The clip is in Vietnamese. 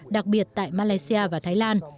đặc biệt tại malaysia và thái lan